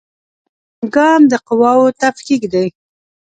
دوهم ګام د قواوو تفکیک دی.